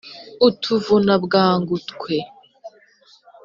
utuvuna bwangu twe